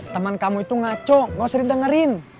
teman kamu itu ngaco gak sering dengerin